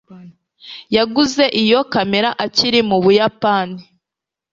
yaguze iyo kamera akiri mu buyapani